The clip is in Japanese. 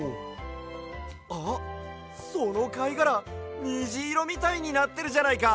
あっそのかいがらにじいろみたいになってるじゃないか！